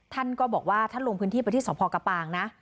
ท่านก็บอกว่าท่านลงพื้นที่ไปที่สพกระปางนะ